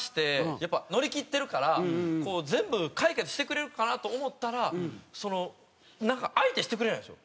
やっぱ乗り切ってるから全部解決してくれるかなと思ったらなんか相手してくれないんですよ。